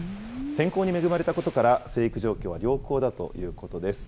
天候に恵まれたことから、生育状況は良好だということです。